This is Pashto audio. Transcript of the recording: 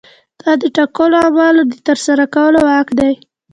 دا د ټاکلو اعمالو د ترسره کولو واک دی.